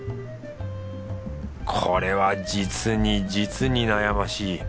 これは実に実に悩ましい。